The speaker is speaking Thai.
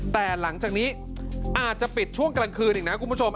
แต่หลังจากนี้อาจจะปิดช่วงกลางคืนอีกนะคุณผู้ชม